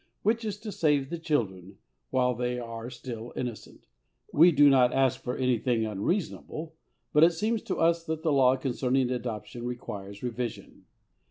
which is to save the children while they are still innocent. We do not want to ask for anything unreasonable, but it seems to us that the law concerning adoption requires revision.